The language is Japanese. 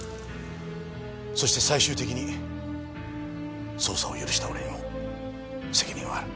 そして最終的に捜査を許した俺にも責任はある。